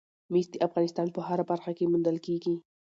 مس د افغانستان په هره برخه کې موندل کېږي.